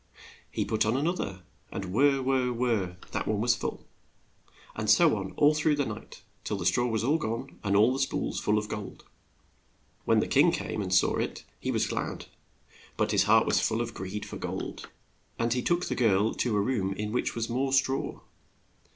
He put on an oth er, and — whirr, whirr, whirr, that one was full ; and so on all through the night, till the straw was all gone and the spools full of gold. When the king came and saw it he was glad. But his heart was full of greed for gold, and he took the girl to a room in which was more straw.